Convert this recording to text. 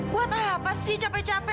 buat apa sih capek capek